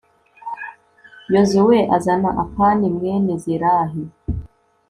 yozuwe azana akani mwene zerahi